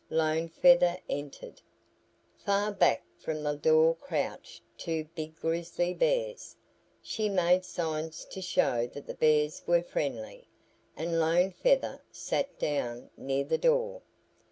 Lone Feather entered. Far back from the door crouched two big grizzly bears. She made signs to show that the bears were friendly, and Lone Feather sat down near the door.